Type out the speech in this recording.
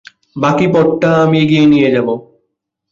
বাকী পথ টা আমি এগিয়ে নিয়ে যাবো।